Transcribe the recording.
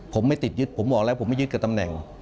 ผมไม่ติดยึดผมบอกแล้วผมไม่ยึดกับตำแหน่ง